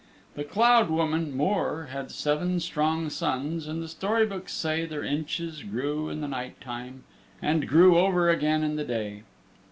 The Cloud woman Mor, she had seven Strong sons, and the story books say Their inches grew in the night time, And grew over again in the day.